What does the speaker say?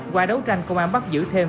qua đấu tranh công an bắt giữ thêm